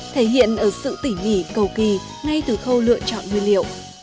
thể hiện ở sự tỉ mỉ cầu kỳ ngay từ khâu lựa chọn nguyên liệu